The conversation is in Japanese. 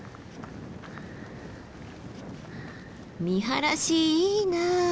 見晴らしいいな。